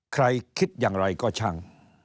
ใครคิดอย่างไรก็ช่าง